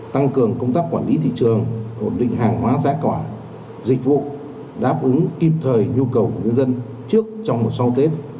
tăng cường công tác quản lý thị trường ổn định hàng hóa giá cả dịch vụ đáp ứng kịp thời nhu cầu của người dân trước trong và sau tết